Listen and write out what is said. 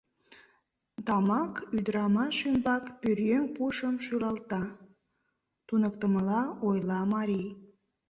— Тамак ӱдырамаш ӱмбак пӧръеҥ пушым шӱлалта, — туныктымыла ойла марий.